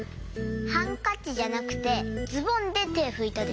ハンカチじゃなくてズボンでてふいたでしょ。